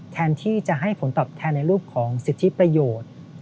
แทนที่จะให้ผลตอบแทนในรูปของสิทธิประโยชน์